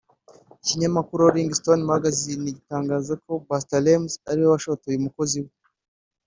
Ikinyamakuru Rolling Stone Magazine gitangaza ko Busta Rhymes ari we washotoye umukozi we